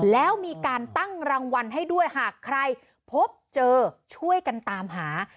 แล้วมีการตั้งรางวัลให้ด้วยหากใครพบเจอช่วยกันตามหา